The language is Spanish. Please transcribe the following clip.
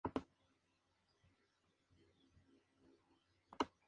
Los primeros años de su vida transcurrieron en La Carolina, Linares y Málaga.